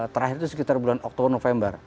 terakhir itu sekitar bulan oktober november